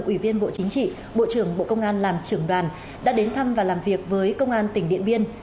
ủy viên bộ chính trị bộ trưởng bộ công an làm trưởng đoàn đã đến thăm và làm việc với công an tỉnh điện biên